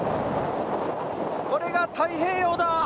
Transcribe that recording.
これが太平洋だ。